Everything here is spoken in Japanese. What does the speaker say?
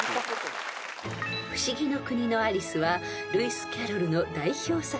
［『不思議の国のアリス』はルイス・キャロルの代表作］